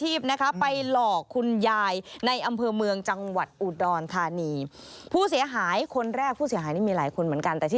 เอาเหรออร์มั้ยเอิ่มอ่าเหตุการณ์นี้เกิดขึ้นนะค่ะ